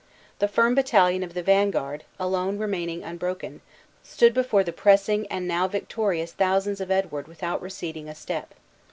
The firm battalion of the vanguard; alone remaining unbroken, stood before the pressing and now victorious thousands of Edward without receding a step.